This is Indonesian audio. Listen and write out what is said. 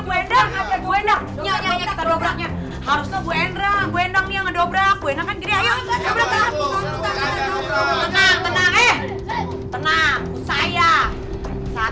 bu endang bu endang harusnya bu endang bu endang yang ngedobrak bu endang kan gini ayo tenang eh